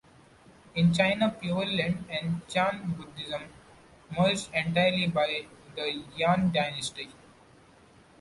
In China, Pure Land and Chan Buddhism merged entirely by the Yuan dynasty.